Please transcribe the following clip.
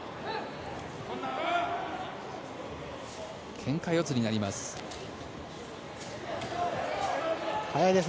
けんか四つになります。